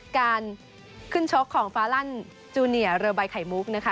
การขึ้นชกของฟาลันจูเนียเรือใบไข่มุกนะคะ